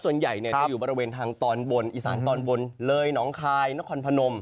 ส่วนใหญ่จะอยู่บริเวณทางตอนบนอีสานตอนบนเลยหนองคายนครพนม